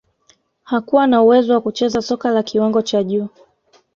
hakuwa na uwezo wa kucheza soka la kiwango cha juu